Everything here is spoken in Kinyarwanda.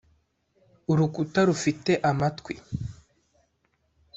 urukuta rufite amatwi.